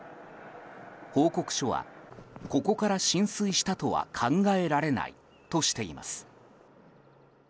報告書は、ここから浸水したとは考えられないとしています。